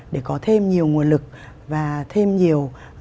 để có thêm nhiều nguồn lực và thêm nhiều